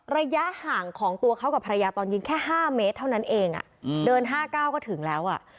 ระยะห่างของตัวเขากับภรรยาตอนยิงแค่๕เมตรเท่านั้นเองเดิน๕๙ก็ถึงแล้วอ่ะ